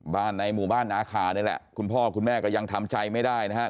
ในหมู่บ้านนาคานี่แหละคุณพ่อคุณแม่ก็ยังทำใจไม่ได้นะครับ